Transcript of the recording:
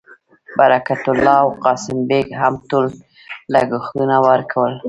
برکت الله او قاسم بېګ هم ټول لګښتونه ورکول.